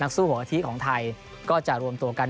สู้หัวอาทิของไทยก็จะรวมตัวกัน